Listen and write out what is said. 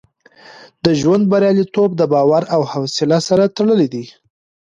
د ژوند بریالیتوب د باور او حوصله سره تړلی دی.